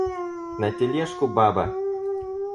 На тележку баба.